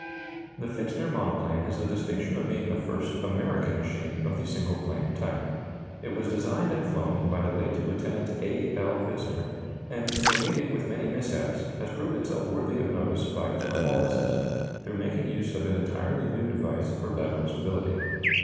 The Pfitzner monoplane has the distinction of being the first American machine of the single plane type. It was designed and flown by the late Lieut. A. L. Pfitzner, and, though meeting with many mishaps, has proved itself worthy of notice by its performances, through making use of an entirely new device for lateral stability.